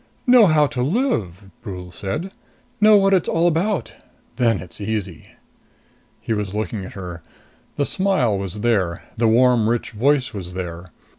"Know how to live," Brule said. "Know what it's all about. Then it's easy." He was looking at her. The smile was there. The warm, rich voice was there.